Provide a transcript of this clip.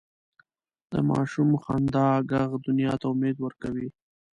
د ماشوم خندا ږغ دنیا ته امید ورکوي.